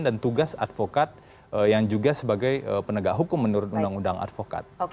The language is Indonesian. dan tugas advokat yang juga sebagai penegak hukum menurut undang undang advokat